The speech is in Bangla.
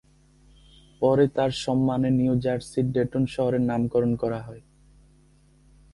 পরে তাঁর সম্মানে নিউ জার্সির ডেটন শহরের নামকরণ করা হয়।